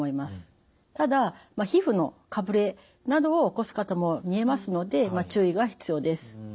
ただ皮膚のかぶれなどを起こす方もみえますので注意が必要です。